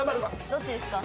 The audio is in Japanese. どっちですか？